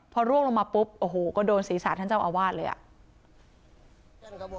พอร่วงลงมาปุ๊บโอ้โหก็โดนศีรษะท่านเจ้าอาวาสเลยอ่ะ